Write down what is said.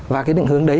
và cái định hướng đấy